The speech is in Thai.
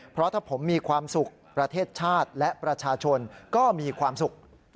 เพราะถ้าผมมีความสุขประเทศชาติและประชาชนก็มีความสุข